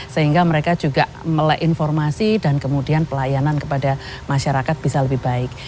sehingga mereka juga melek informasi dan kemudian pelayanan kepada masyarakat bisa lebih baik